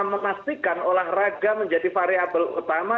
memastikan olahraga menjadi variable utama